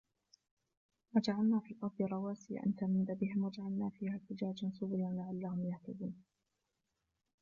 وجعلنا في الأرض رواسي أن تميد بهم وجعلنا فيها فجاجا سبلا لعلهم يهتدون